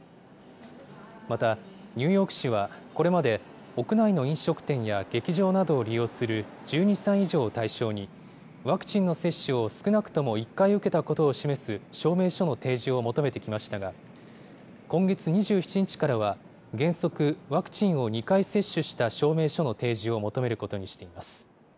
またニューヨーク市は、これまで、屋内の飲食店や劇場などを利用する１２歳以上を対象に、ワクチンの接種を少なくとも１回受けたことを示す証明書の提示を求めてきましたが、今月２７日からは原則、ワクチンを２回接種した証明書の提示を求めることにしています。